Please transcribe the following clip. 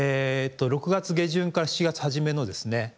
６月下旬から７月初めのですね